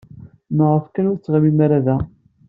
Maɣef kan ur tettɣimim da?